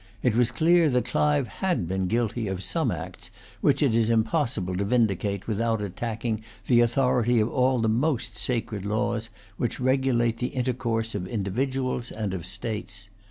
It was clear that Clive had been guilty of some acts which it is impossible to vindicate without attacking the authority of all the most sacred laws which regulate the intercourse of individuals and of states.